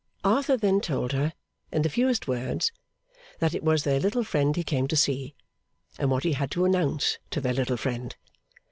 Arthur then told her, in the fewest words, that it was their little friend he came to see; and what he had to announce to their little friend.